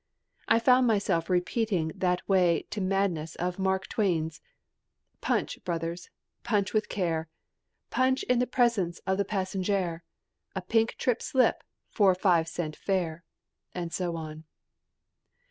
I found myself repeating that way to madness of Mark Twain's: Punch, brothers, punch with care, Punch in the presence of the passenjaire, A pink trip slip for a five cent fare and so on.